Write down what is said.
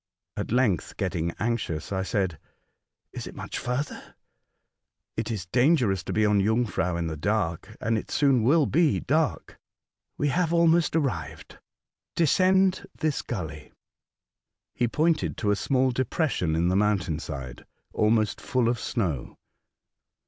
At length, getting anxious, I said, "Is it much further ? It is dangerous to be on Jung frau in the dark, and it soon will be dark." '' We have almost arrived. Descend this gulley." He pointed to a small depression in the 202 A Voyage to Other IVoj'lds. mountain side, almost full of snow.